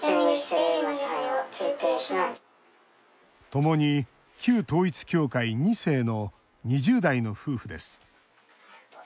ともに旧統一教会２世の２０代の夫婦です。